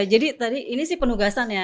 jadi tadi ini sih penugasan ya